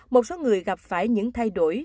một số người gặp phải những thay đổi